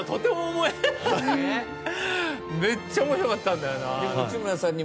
めっちゃ面白かったんだよな。